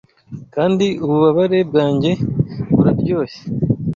Kandi ububabare bwanjye buraryoshye